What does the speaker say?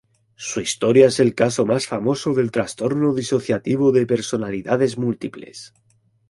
Su historia es el caso más famoso del trastorno disociativo de personalidades múltiples.